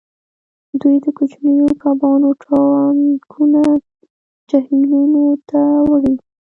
دوی د کوچنیو کبانو ټانکونه جهیلونو ته وړي